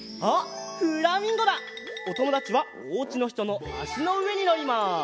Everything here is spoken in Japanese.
おともだちはおうちのひとのあしのうえにのります。